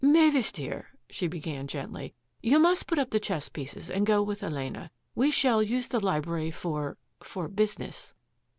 " Mavis dear," she began gently, " you must put up the chess pieces and go with Elena. We shall use the library for — for business."